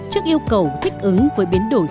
trước yêu cầu thích ứng với biến đổi